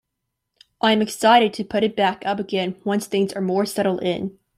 I am excited to put it back up again once things are more settled in.